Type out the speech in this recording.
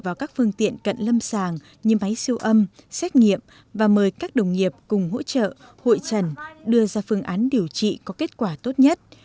vào các phương tiện cận lâm sàng như máy siêu âm xét nghiệm và mời các đồng nghiệp cùng hỗ trợ hội trần đưa ra phương án điều trị có kết quả tốt nhất